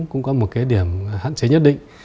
cũng có một cái điểm hạn chế nhất định